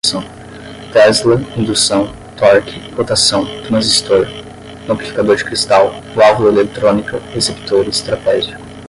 tesla, indução, torque, rotação, transistor, amplificador de cristal, válvula eletrônica, receptores, trapézio